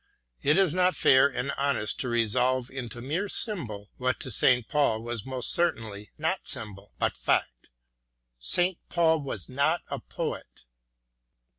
It is not fair and honest to resolve into mere symbol what to St. Paul was most certainly not symbol, but fact. St. Paul was not a poet.